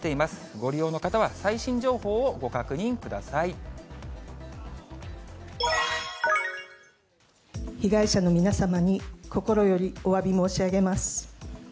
ご利用の方は、最新情報をご確認被害者の皆様に心よりおわび申し上げます。